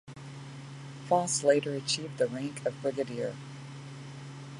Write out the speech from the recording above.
Foss later achieved the rank of brigadier.